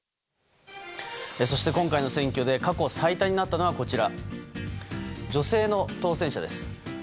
そして、今回の選挙で過去最多になったのは女性の当選者です。